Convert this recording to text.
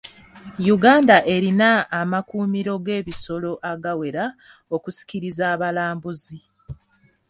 Uganda erina amakkuumiro g'ebisolo agawera okusikiriza abalambuzi.